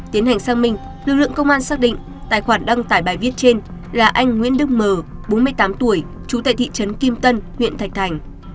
tiến hành sang minh lực lượng công an xác định tài khoản đăng tải bài viết trên là anh nguyễn đức mờ bốn mươi tám tuổi trú tại thị trấn kim tân huyện thạch thành